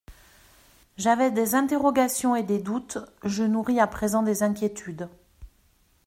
J’avais des interrogations et des doutes, je nourris à présent des inquiétudes.